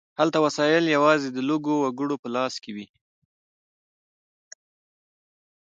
هلته وسایل یوازې د لږو وګړو په لاس کې وي.